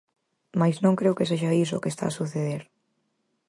Mais non creo que sexa iso o que está a suceder.